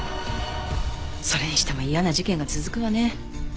それにしても嫌な事件が続くわね。